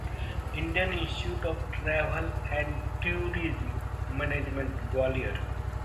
Indian Institute of Travel and Tourism Management, Gwalior